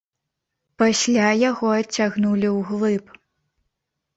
Пасля яго адцягнулі ўглыб.